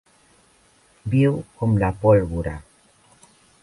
Viu com la pólvora.